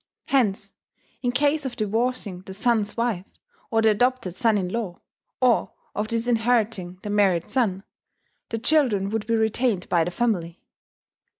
Hence, in case of divorcing the son's wife, or the adopted son in law, or of disinheriting the married son, the children would be retained by the family.